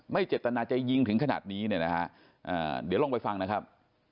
เจตนาจะยิงถึงขนาดนี้เนี่ยนะฮะเดี๋ยวลองไปฟังนะครับ